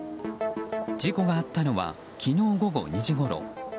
事故があったのは昨日午後２時ごろ。